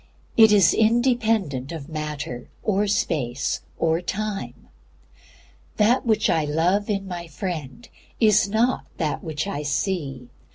It is independent of Matter, or Space, or Time. That which I love in my friend is not that which I see.